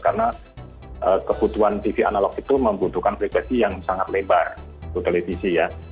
karena kebutuhan tv analog itu membutuhkan frekuensi yang sangat lebar untuk televisi ya